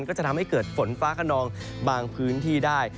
ก็จะทำให้เกิดฝนฟ้าขนองบางพื้นที่ได้